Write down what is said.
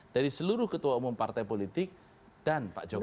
dari seluruh ketua umum partai politik dan pak jokowi